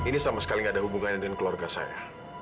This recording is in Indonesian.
ini sama sekali gak ada hubungannya dengan keluarga saya